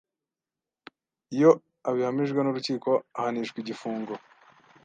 Iyo abihamijwe n’urukiko, ahanishwa igifungo